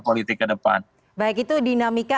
politik ke depan baik itu dinamika